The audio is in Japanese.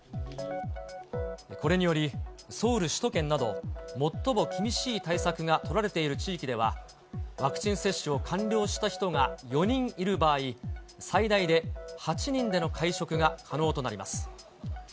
これにより、ソウル首都圏など、最も厳しい対策が取られている地域では、ワクチン接種を完了した人が４人いる場合、最大で８人での会食が可能となります。